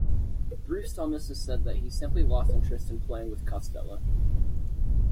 Bruce Thomas has said that he simply lost interest in playing with Costello.